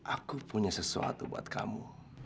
aku punya sesuatu buat kamu